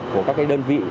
của các cái đơn vị